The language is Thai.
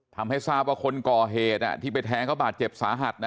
ทำให้ทราบว่าคนก่อเหตุที่ไปแทงเขาบาดเจ็บสาหัส